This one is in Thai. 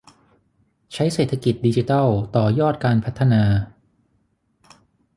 ใช้เศรษฐกิจดิจิทัลต่อยอดการพัฒนา